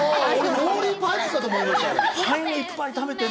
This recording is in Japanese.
モーリーパイプかと思いました。